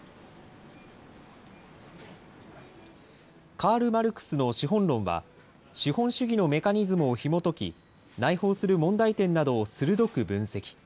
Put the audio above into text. カール・マルクスの資本論は、資本主義のメカニズムをひもとき、内包する問題点などを鋭く分析。